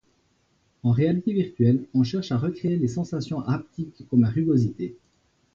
En réalité virtuelle, on cherche à recréer les sensations haptiques comme la rugosité.